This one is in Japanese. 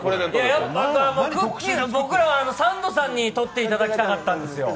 僕ら、サンドさんに取っていただきたかったんですよ。